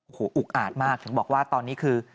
โอ้โหอุกอาจมากถึงบอกว่าตอนนี้คือ